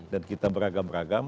dan kita beragama